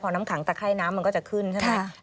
น้ำขังตะไข้น้ำมันก็จะขึ้นใช่ไหม